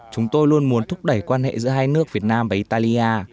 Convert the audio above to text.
chúng tôi luôn muốn thúc đẩy quan hệ giữa hai nước việt nam và italia